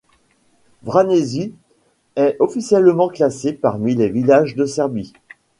Vraneši est officiellement classé parmi les villages de Serbie.